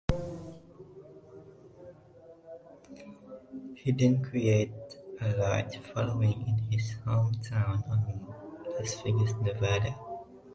He then created a large following in his home town of Las Vegas, Nevada.